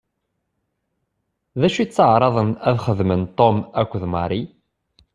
D acu i tteɛṛaḍen ad xedmen Tom akked Mary?